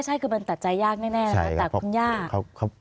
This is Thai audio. ใช่คือมันตัดใจยากแน่